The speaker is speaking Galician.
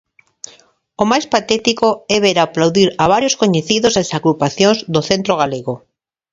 O máis patético é ver aplaudir a varios coñecidos das agrupacións do Centro Galego.